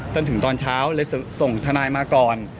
จนถึงตอนเช้าเลยส่งทนายมาก่อน